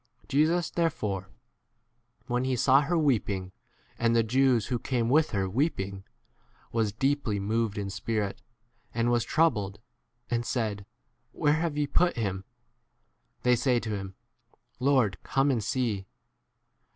Jesus therefore, when he saw her weeping, and the Jews who came with her weeping, was deeply moved h in spirit, and was 34 troubled, 1 and said, Where have ye put him? They say to him, 35 Lord, come and see.